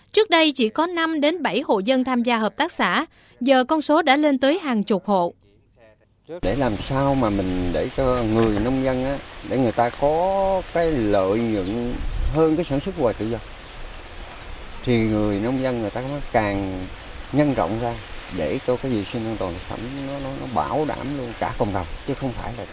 trước đây chỉ có năm bảy hộ dân tham gia hợp tác xã giờ con số đã lên tới hàng chục hộ